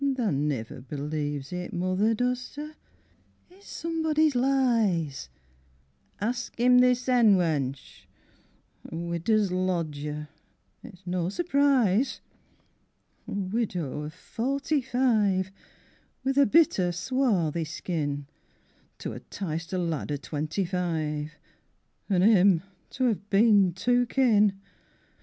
Tha niver believes it, mother, does ter? It's somebody's lies. Ax him thy sèn wench a widder's lodger; It's no surprise. II A widow of forty five With a bitter, swarthy skin, To ha' 'ticed a lad o' twenty five An' 'im to have been took in!